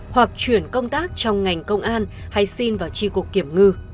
hoặc chuyển công tác trong ngành công an hay xin vào tri cục kiểm ngư